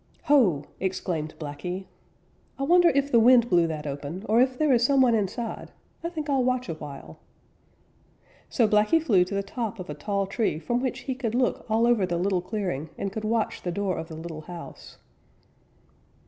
"Ho!" exclaimed Blacky. "I wonder if the wind blew that open, or if there is some one inside. I think I'll watch a while." So Blacky flew to the top of a tall tree from which he could look all over the little clearing and could watch the door of the little house.